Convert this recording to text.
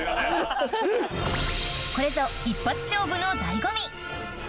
これぞ一発勝負の醍醐味